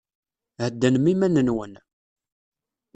Heddnem iman-nwen.